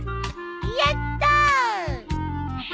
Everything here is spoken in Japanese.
やった！